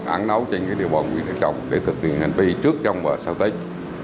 án nấu trên cái điều bọn nguyễn thành trung để thực hiện hành vi trước trong và sau tết